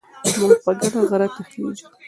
موږ په ګډه غره ته خېژو.